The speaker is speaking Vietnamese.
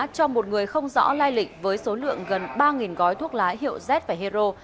cho một người không rõ lai lịch với số lượng gần ba gói thuốc lá hiệu z và hero